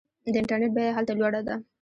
د انټرنیټ بیه هلته لوړه ده.